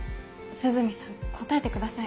涼見さん答えてください